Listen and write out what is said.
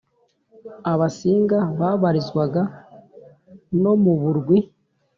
abasinga babarizwaga no mu burwi